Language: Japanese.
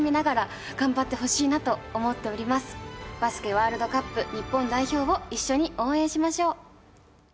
ワールドカップ日本代表を一緒に応援しましょう！